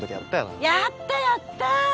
やったやった。